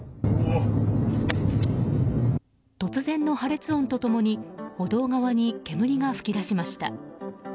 突然の破裂音と共に、歩道側に煙が噴き出しました。